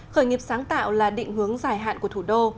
khởi nghiệp sáng tạo là định hướng dài hạn của thủ đô